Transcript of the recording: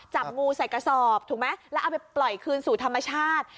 จับงูใส่กระสอบถูกไหมแล้วเอาไปปล่อยคืนสู่ธรรมชาติ